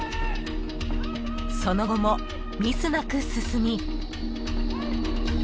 ［その後もミスなく進み］